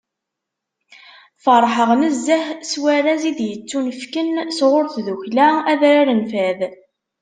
Feṛḥeɣ nezzeh s warraz i d-yettunefken sɣur tddukkla Adrar n Fad.